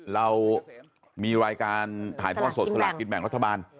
เรามีรายการถ่ายทอดสดสลากกินแบ่งรัฐบาล